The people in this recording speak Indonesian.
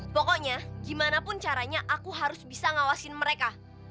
pokoknya gimana pun caranya aku harus bisa ngawasin mereka